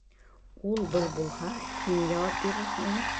Ул-был булһа, һин яуап бирерһеңме?